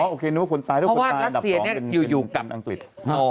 โอเคนึกว่าคนตายนึกว่าคนตายอันดับ๒เป็นรัสเซีย